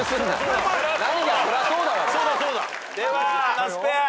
では那須ペア。